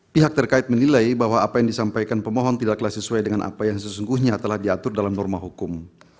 pihak terkait menilai bahwa apa yang disampaikan pemohon tidaklah sesuai dengan apa yang sesungguhnya telah diatur dalam norma hukum